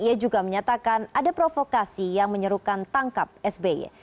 ia juga menyatakan ada provokasi yang menyerukan tangkap sby